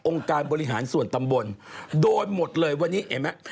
การบริหารส่วนตำบลโดนหมดเลยวันนี้เห็นไหม